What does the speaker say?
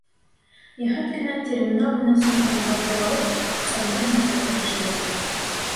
Йәһәт кенә терминал менән сумкамды һалдырып алып, аҡсамды һанарға керешәләр.